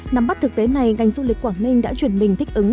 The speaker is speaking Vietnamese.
nắm bắt thực tế này ngành du lịch quảng ninh đã chuyển mình thích ứng